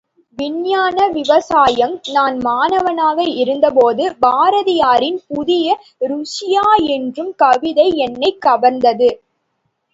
விஞ்ஞான விவசாயம் நான் மாணவனாக இருந்த போது பாரதியாரின் புதிய ருஷியா என்னும் கவிதை என்னைக் கவர்ந்தது.